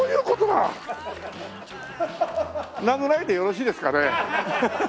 なぐらいでよろしいですかね？